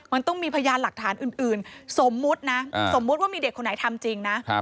มันต้องมีพยานหลักฐานอื่นสมมุตินะสมมุติว่ามีเด็กคนไหนทำจริงนะ